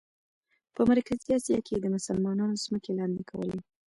په مرکزي آسیا کې یې د مسلمانانو ځمکې لاندې کولې.